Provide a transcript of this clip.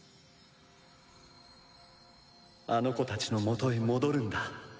あの子たちのもとへ戻るんだ。